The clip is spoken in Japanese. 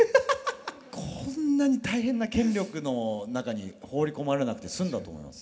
こんなに大変な権力の中に放り込まれなくて済んだと思います。